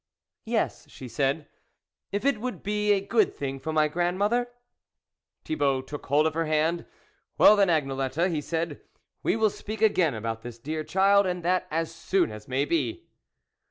"Yes," she said, "if it would be a good thing for my grandmother ?" Thibault took hold of her hand. " Well then, Agnelette," he said " we will speak again about this, dear child, and that as soon as may be."